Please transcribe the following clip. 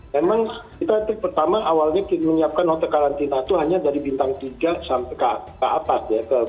memang kita pertama awalnya menyiapkan hotel karantina itu hanya dari bintang tiga sampai ke atas ya